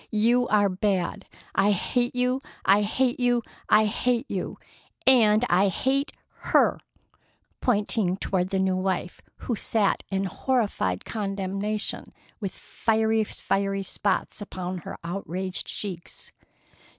You are bad! I hate you! I hate you! I hate you! And I hate her!"—pointing toward the new wife, who sat in horrified condemnation, with two fiery spots upon her outraged cheeks.